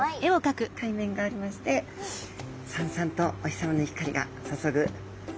海面がありましてさんさんとお日さまの光が注ぐあったかい